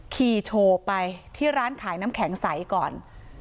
โชว์ไปที่ร้านขายน้ำแข็งใสก่อน